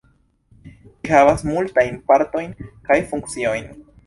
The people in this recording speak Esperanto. Ĝi havas multajn partojn kaj funkciojn.